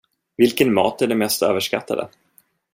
Vilken mat är den mest överskattade?